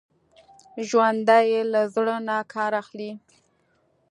ژوندي له زړه نه کار اخلي